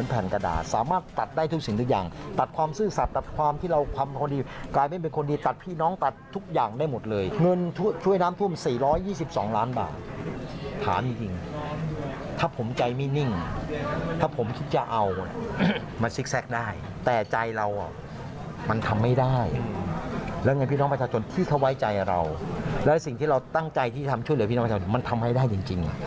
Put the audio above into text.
เพราะว่าใจที่ทำช่วยเหลือพี่น้องมันทำให้ได้จริง